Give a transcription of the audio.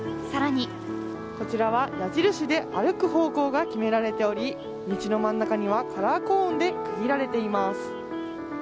更にこちらは矢印で歩く方向で決められており道の真ん中にはカラーコーンで区切られています。